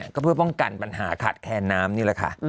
ก็เพื่อป้องกันปัญหาขาดแคนน้ำนี่แหละค่ะ